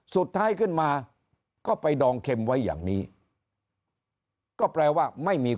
สุดท้ายขึ้นมาก็ไปดองเข็มไว้อย่างนี้ก็แปลว่าไม่มี